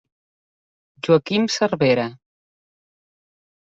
Joaquim Cervera.